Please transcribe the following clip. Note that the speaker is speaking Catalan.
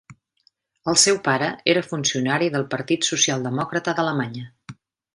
El seu pare era funcionari del partit Socialdemòcrata d'Alemanya.